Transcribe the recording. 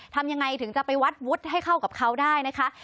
ทำยังไงถึงจะไปวัดวุฒิให้เข้ากับเขาได้นะคะ